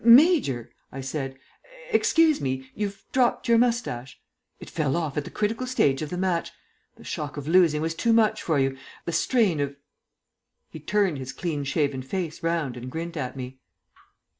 "Major," I said, "excuse me, you've dropped your moustache. It fell off at the critical stage of the match; the shock of losing was too much for you; the strain of " He turned his clean shaven face round and grinned at me.